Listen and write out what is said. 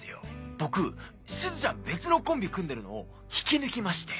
僕しずちゃん別のコンビ組んでるのを引き抜きまして。